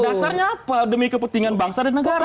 dasarnya apa demi kepentingan bangsa dan negara